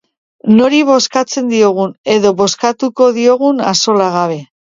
Nori bozkatzen diogun edo bozkatuko diogun axola gabe.